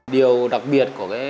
dưới sự hướng dẫn của anh rằng